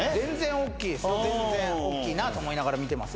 おっきいなと思いながら見てます。